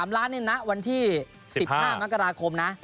๓ล้านนี่นะวันที่๑๕มกราคมนะ